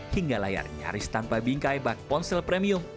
hingga layar nyaris tanpa bingkai bak ponsel premium